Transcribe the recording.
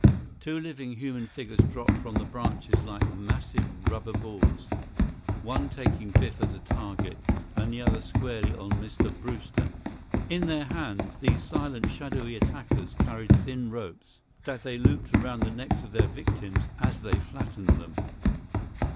Two living human figures dropped from the branches like massive rubber balls, one taking Biff as a target, the other landing squarely on Mr. Brewster. In their hands, these silent, shadowy attackers carried thin ropes that they looped around the necks of their victims as they flattened them.